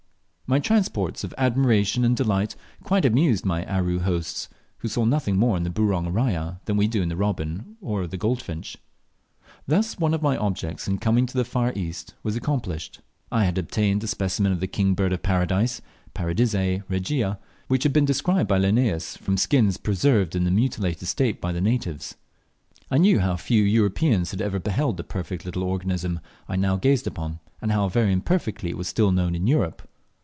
My transports of admiration and delight quite amused my Aru hosts, who saw nothing more in the "Burong raja" than we do in the robin of the goldfinch. Thus one of my objects in coming to the far fast was accomplished. I had obtained a specimen of the King Bird of Paradise (Paradisea regia), which had been described by Linnaeus from skins preserved in a mutilated state by the natives. I knew how few Europeans had ever beheld the perfect little organism I now gazed upon, and how very imperfectly it was still known in Europe.